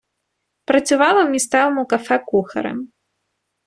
Працювала в місцевому кафе кухарем.